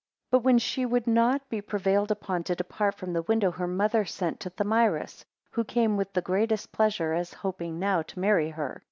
5 But when she would not be prevailed upon to depart from the window, her mother sent to Thamyris, who came with the greatest pleasure, as hoping now, to marry her.